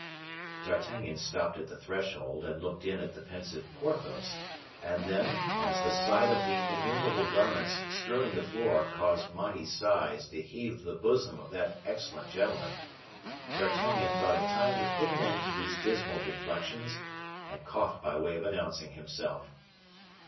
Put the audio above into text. D'Artagnan stopped at the threshold and looked in at the pensive Porthos and then, as the sight of the innumerable garments strewing the floor caused mighty sighs to heave the bosom of that excellent gentleman, D'Artagnan thought it time to put an end to these dismal reflections, and coughed by way of announcing himself.